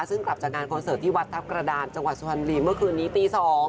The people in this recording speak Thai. ซึ่งกลับจากงานคอนเสิร์ตที่วัดทัพกระดานจังหวัดสุพรรณบุรีเมื่อคืนนี้ตี๒